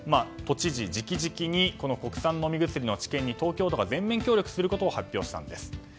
都知事直々に国産飲み薬の治験に東京都が全面協力することを発表したんです。